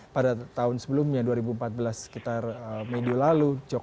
pada tahun sebelumnya dua ribu empat belas kita berbicara